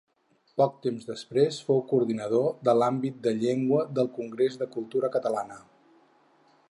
Poc temps després fou coordinador de l’Àmbit de Llengua del Congrés de Cultura Catalana.